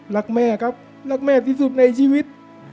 รักแม่ครับรักแม่ที่สุดในชีวิต